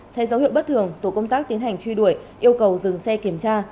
thay dấu hiệu bất thường tổ công tác tiến hành truy đuổi yêu cầu dừng xe kiểm tra